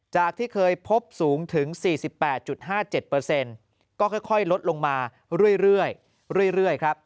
จากที่เคยพบสูงถึง๔๘๕๗ก็ค่อยลดลงมาเรื่อยครับ